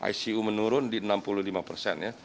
icu menurun di enam puluh lima persen ya